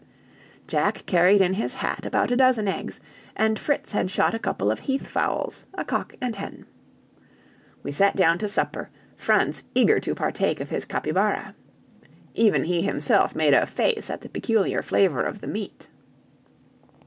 Jack carried in his hat about a dozen eggs; and Fritz had shot a couple of heath fowls, a cock and hen. We sat down to supper, Franz eager to partake of his capybara. Even he himself made a face at the peculiar flavor of the meat.